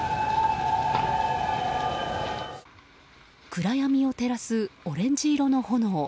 暗闇を照らすオレンジ色の炎。